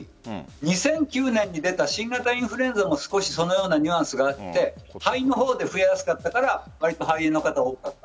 ２００９年に出た、新型インフルエンザも少しそのようなニュアンスがあって下位の方で増えやすかったから肺炎の方が多かった。